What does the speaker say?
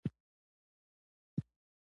هغه ورڅخه د روغتیا او صحت پوښتنه هم وکړه.